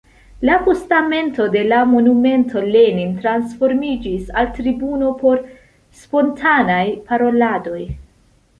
La postamento de la monumento Lenin transformiĝis al tribuno por spontanaj paroladoj.